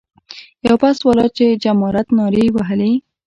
یو بس والا چې جمارات نارې یې وهلې.